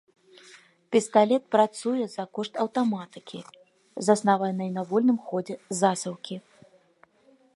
Пісталет працуе за кошт аўтаматыкі, заснаванай на вольным ходзе засаўкі.